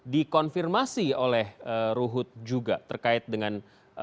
dikonfirmasi oleh ruhut juga terkait dengan